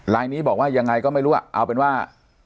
ลายนี้บอกว่ายังไงก็ไม่รู้เอาเป็นว่า